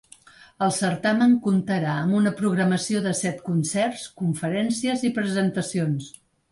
El certamen comptarà amb una programació de set concerts, conferències i presentacions.